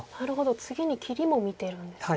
次に切りも見てるんですね。